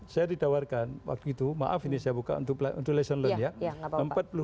saya didawarkan waktu itu maaf ini saya buka untuk lesson learn ya empat puluh ribu per kilo